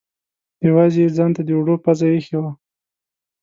یوازې یې ځانته د اوړو پزه اېښې وه.